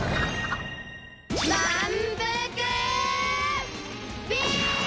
まんぷくビーム！